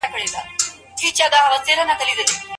که ارامي وي نو اعصاب نه خرابیږي.